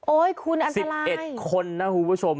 โอ๊ยคุณอันตราย๑๑คนนะคุณผู้ชม